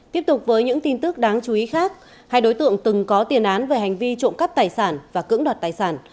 tiếp tục với những tin tức đáng chú ý khác hai đối tượng từng có tiền án về hành vi trộm cắp tài sản và cưỡng đoạt tài sản